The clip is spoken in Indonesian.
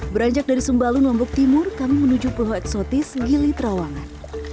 beranjak dari sembalun lombok timur kami menuju pulau eksotis gili trawangan